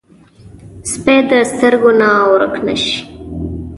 سپي د سترګو نه ورک نه شي.